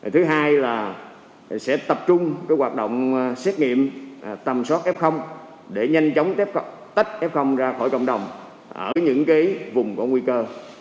thứ hai là sẽ tập trung hoạt động xét nghiệm tầm soát f để nhanh chóng tách f ra khỏi cộng đồng ở những vùng có nguy cơ